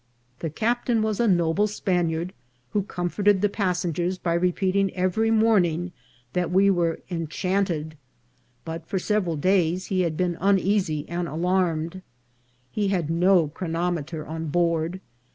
The cap tain was a noble Spaniard, who comforted the passen gers by repeating every morning that we were enchant ed, but for several days he had been uneasy and alarmed. He had no chronometer on board.